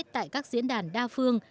tại các diễn đàn đa phương